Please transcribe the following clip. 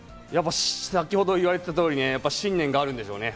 先ほど言われていた通り、信念があるんでしょうね。